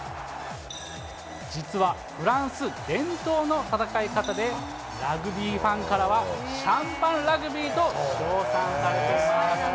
実はフランス伝統の戦い方で、ラグビーファンからは、シャンパンラグビーと称賛されています。